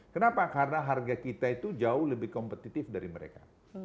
kenapa karena harga kita itu jauh lebih kompetitif dari mereka